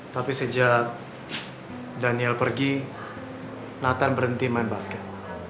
tapi sejak daniel pergi nathan berhenti main basket